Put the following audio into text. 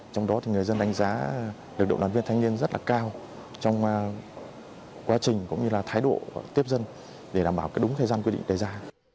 trong đó thì người dân đánh giá lực lượng đoàn viên thanh niên rất là cao trong quá trình cũng như là thái độ tiếp dân để đảm bảo đúng thời gian quy định đề ra